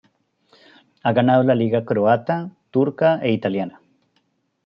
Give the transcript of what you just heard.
Ha ganado la liga croata, turca e italiana.